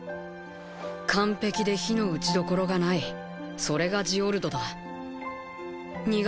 完璧で非の打ちどころがないそれがジオルドだ。